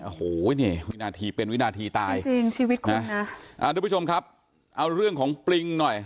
โอ้โหนี่วินาทีเป็นวินาทีตายจริงชีวิตคนนะอ่าทุกผู้ชมครับเอาเรื่องของปริงหน่อย